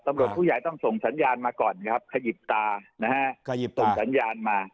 ตำรวจผู้ใหญ่ต้องส่งสัญญาณมาก่อนครับขยิบตานะฮะส่งสัญญาณมา